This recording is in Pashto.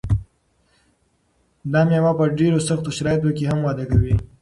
دا مېوه په ډېرو سختو شرایطو کې هم وده کوي.